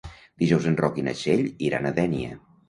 Dijous en Roc i na Txell iran a Dénia.